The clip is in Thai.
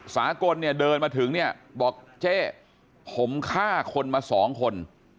สากลเนี่ยเดินมาถึงเนี่ยบอกเจ๊ผมฆ่าคนมาสองคน